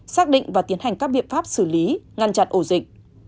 xác định và tiến hành các biện pháp xử lý ngăn chặn ổ dịch